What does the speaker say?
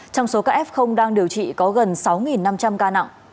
trong số các f đang điều trị có gần sáu năm trăm linh ca nặng